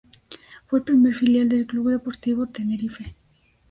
Fue el primer filial de el Club Deportivo Tenerife.